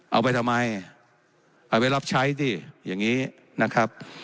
เอาไปทำไมเอาไปรับใช้สิอย่างนี้นะครับ